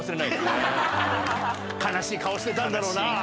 悲しい顔してたんだろうな。